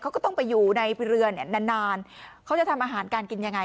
เขาก็ต้องไปอยู่ในเรือเนี่ยนานนานเขาจะทำอาหารการกินยังไง